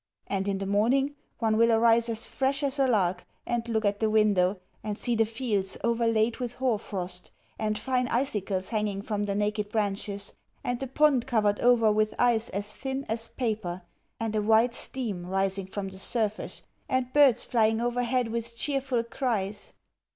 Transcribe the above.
And in the morning, one will arise as fresh as a lark and look at the window, and see the fields overlaid with hoarfrost, and fine icicles hanging from the naked branches, and the pond covered over with ice as thin as paper, and a white steam rising from the surface, and birds flying overhead with cheerful cries.